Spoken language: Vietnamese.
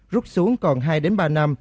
rút xuống còn hai ba năm